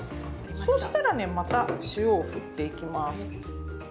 そうしたらねまた塩をふっていきます。